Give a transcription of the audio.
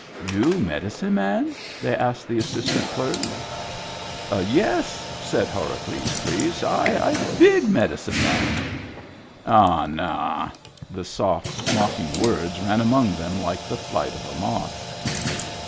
"You medicine man?" they asked the assist ant clerk. " Yes," said Horacles, pleased. " I big medi cine man." " Ah, nah !" The soft, mocking words ran among them like the flight of a moth.